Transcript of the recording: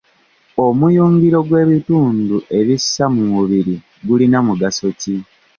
Omuyungiro gw'ebitundu ebissa mu mubiri gulina mugaso ki?